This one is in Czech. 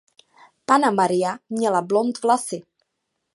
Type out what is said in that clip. Panna Maria měla blond vlasy.